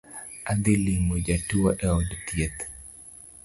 Adhi limo jatuo e od thieth